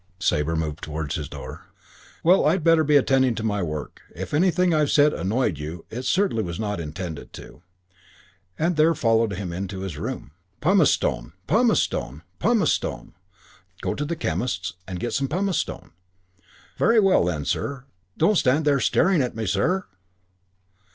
I " Sabre moved towards his door. "Well, I'd better be attending to my work. If anything I've said annoyed you, it certainly was not intended to." And there followed him into his room, "Pumice stone! Pumice stone! Pumice stone! Go to the chemist's and get some pumice stone.... Very well then, sir, don't stand there staring at me, sir!"